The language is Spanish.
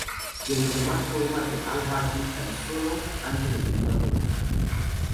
De los demás poemas de Al-Harith tan solo han sobrevivido algunos fragmentos.